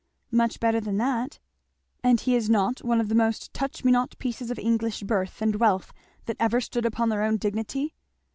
"Much better than that." "And he is not one of the most touch me not pieces of English birth and wealth that ever stood upon their own dignity?"